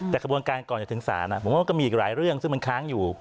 แต่กระบวนการก่อนจะถึงศาลผมว่าก็มีอีกหลายเรื่องซึ่งมันค้างอยู่